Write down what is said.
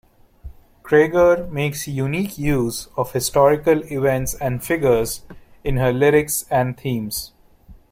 Creager makes unique use of historical events and figures in her lyrics and themes.